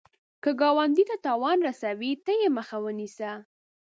که ګاونډي ته تاوان رسوي، ته یې مخه ونیسه